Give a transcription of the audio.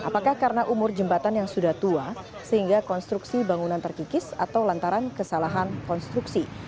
apakah karena umur jembatan yang sudah tua sehingga konstruksi bangunan terkikis atau lantaran kesalahan konstruksi